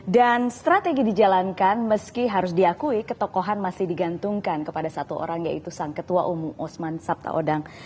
dan strategi dijalankan meski harus diakui ketokohan masih digantungkan kepada satu orang yaitu sang ketua umum osman sabta odang